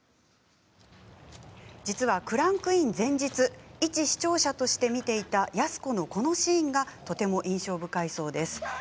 実は、クランクイン前日一視聴者として見ていた安子のこのシーンがとても印象深いそうです。